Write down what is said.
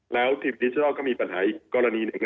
แล้วทีมดิจิทัลก็มีปัญหาอีกกรณีหนึ่ง